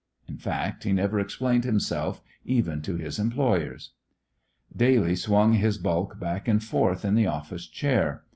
In fact, he never explained himself, even to his employers. Daly swung his bulk back and forth in the office chair.